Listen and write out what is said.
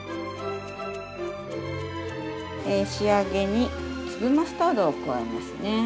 仕上げに粒マスタードを加えますね。